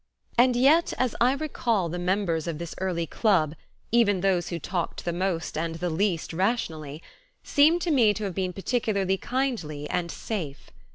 And yet as I recall the members of this early club, even those who talked the most and the least rationally, seem to me to have been particularly kindly and "safe."